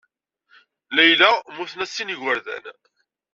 Layla mmuten-as sin n yigerdan.